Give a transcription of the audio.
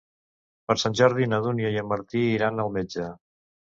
Per Sant Jordi na Dúnia i en Martí iran al metge.